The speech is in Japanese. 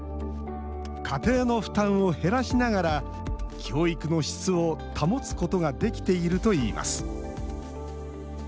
家庭の負担を減らしながら教育の質を保つことができているといいます。